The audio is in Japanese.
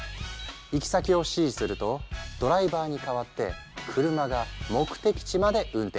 行き先を指示するとドライバーに代わって車が目的地まで運転してくれる。